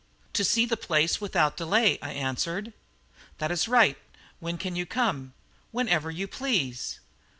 "To see the place without delay," I answered. "That is right; when can you come?" "Whenever you please."